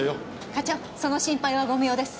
課長その心配はご無用です。